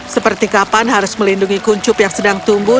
seperti kapan harus melindungi kuncup yang sedang tumbuh